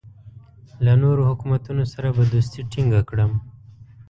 له نورو حکومتونو سره به دوستي ټینګه کړم.